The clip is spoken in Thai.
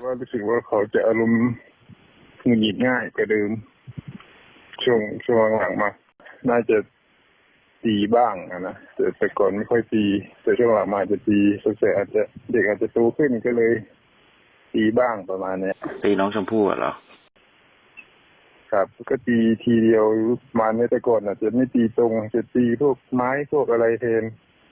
เวอร์ที่ปล่อยกอ่อนอาจจะวันไม่ตีตรงจะตีพวกไม้พวกอะไรเทน